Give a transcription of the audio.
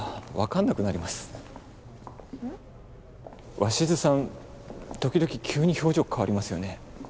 鷲津さん時々急に表情変わりますよね。